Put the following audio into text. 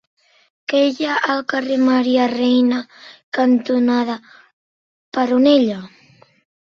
Què hi ha al carrer Maria Reina cantonada Peronella?